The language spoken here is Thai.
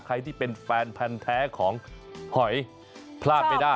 ใครที่เป็นแฟนพันธ์แท้ของหอยพลาดไม่ได้